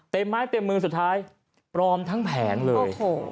ไม้เต็มมือสุดท้ายปลอมทั้งแผงเลย